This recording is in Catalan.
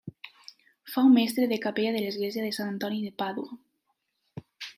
Fou mestre de capella de l'església de Sant Antoni de Pàdua.